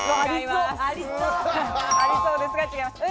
ありそうですが違います。